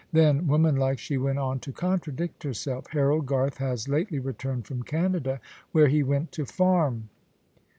Then, woman like, she went on to contradict herself. "Harold Garth has lately returned from Canada, where he went to farm."